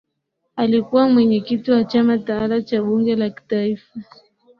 alikuwa mwenyekiti wa chama tawala cha bunge la kitaifa